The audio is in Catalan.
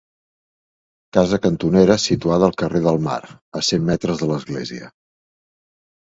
Casa cantonera situada al carrer del Mar, a cent metres de l'església.